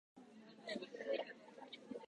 予約するのはめんどくさい